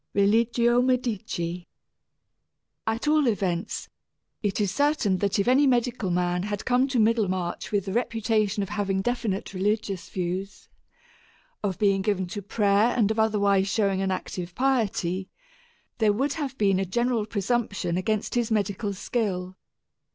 II RELIGIO MEDICI At all events, it is certain that if any medical man had come to Middlemarch with the reputation of having definite religious views, of being given to prayer and of otherwise showing an active piety, there would have been a general presumption against his medical skill.